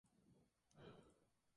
Little et al.